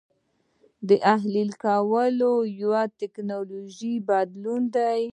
د اهلي کولو یو ټکنالوژیکي بدلون دی.